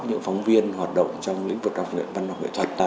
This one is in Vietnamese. những phóng viên hoạt động trong lĩnh vực văn học nghệ thuật